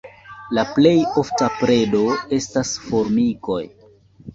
La plej ofta predo estas formikoj.